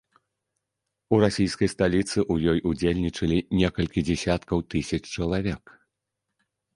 У расійскай сталіцы ў ёй удзельнічалі некалькі дзесяткаў тысяч чалавек.